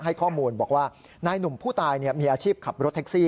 ให้ข้อมูลบอกว่านายหนุ่มผู้ตายมีอาชีพขับรถแท็กซี่